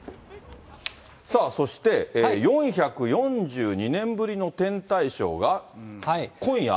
さあ、そして、４４２年ぶりの天体ショーが今夜？